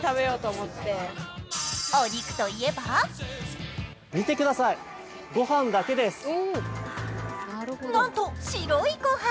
お肉といえばなんと白いご飯。